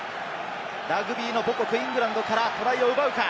ラグビーの母国・イングランドからトライを奪うか。